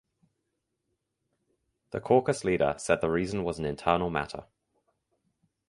The caucus leader said the reason was an internal matter.